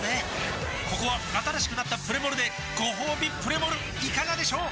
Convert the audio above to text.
ここは新しくなったプレモルでごほうびプレモルいかがでしょう？